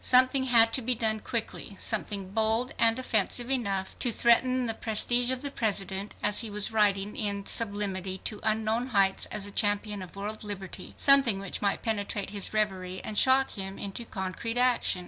Something had to be done quickly, something bold and offensive enough to threaten the prestige of the President, as he was riding in sublimity to unknown heights as a champion of world liberty; something which might penetrate his reverie and shock him into concrete action.